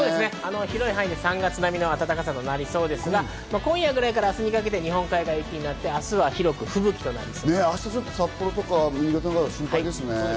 広い範囲で３月並みの暖かさとなりそうですが、今夜ぐらいから明日にかけて日本海側は雪になって、明日は広く吹雪となりそうです。